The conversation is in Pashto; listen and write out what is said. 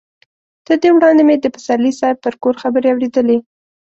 تر دې وړاندې مې د پسرلي صاحب پر کور خبرې اورېدلې.